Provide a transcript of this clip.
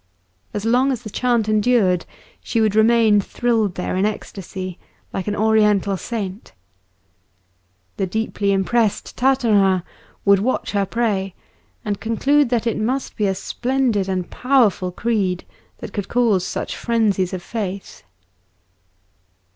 As long as the chant endured she would remain thrilled there in ecstasy, like an Oriental saint. The deeply impressed Tartarin would watch her pray, and conclude that it must be a splendid and powerful creed that could cause such frenzies of faith.